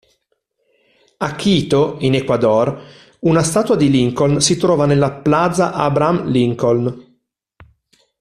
A Quito, in Ecuador, una statua di Lincoln si trova nella Plaza Abraham Lincoln.